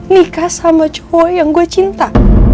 nikah sama cua yang gue cinta